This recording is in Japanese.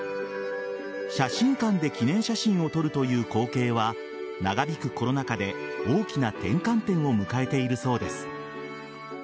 写真館で記念写真を撮るという光景は長引くコロナ禍で大きな転換点を迎えているそうです。